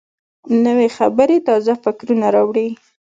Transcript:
نوې خبرې تازه فکرونه راوړي